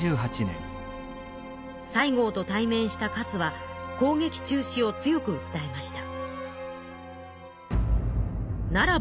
西郷と対面した勝は攻撃中止を強くうったえました。